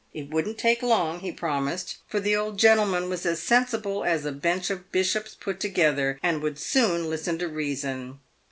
It wouldn't take long, he promised, for 396 PAVED WITH GOLD. the old gentleman was as sensible as a bench of bishops put together, and would soon listen to reason.